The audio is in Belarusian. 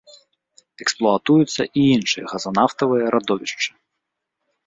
Эксплуатуюцца і іншыя газанафтавыя радовішчы.